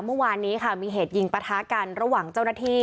เมื่อวานนี้ค่ะมีเหตุยิงปะทะกันระหว่างเจ้าหน้าที่